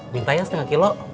mintanya setengah kilo